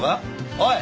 おい！